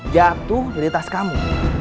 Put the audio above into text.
jatuh dari tas kamu